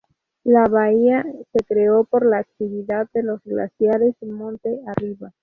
La bahía se creó por la actividad de los glaciares monte arriba.